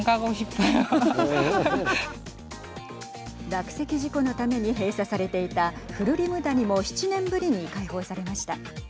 落石事故のために閉鎖されていたフルリム谷も７年ぶりに解放されました。